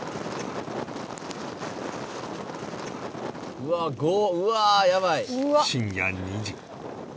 「うわあやばい」深夜２時